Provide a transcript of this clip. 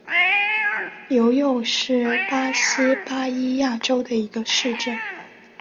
尤尤是巴西巴伊亚州的一个市镇。